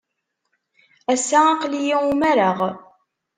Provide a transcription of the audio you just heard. Ass-a, aql-iyi umareɣ.